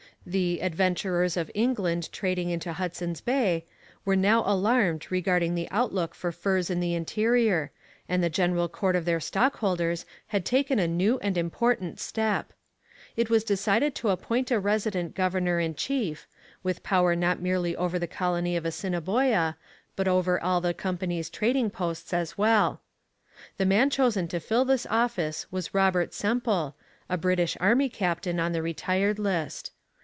The 'Adventurers of England trading into Hudson's Bay' were now alarmed regarding the outlook for furs in the interior, and the general court of their stockholders had taken a new and important step. It was decided to appoint a resident governor in chief, with power not merely over the colony of Assiniboia, but over all the company's trading posts as well. The man chosen to fill this office was Robert Semple, a British army captain on the retired list.